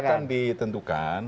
ini nanti akan ditentukan